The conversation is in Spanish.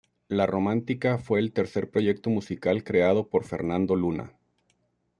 La Romántica fue el tercer proyecto musical creado por Fernando Luna.